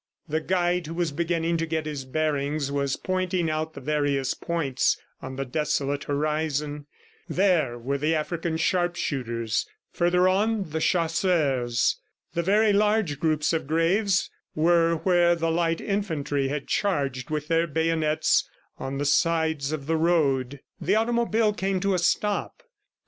The guide who was beginning to get his bearings was pointing out the various points on the desolate horizon. There were the African sharpshooters; further on, the chasseurs. The very large groups of graves were where the light infantry had charged with their bayonets on the sides of the road. The automobile came to a stop.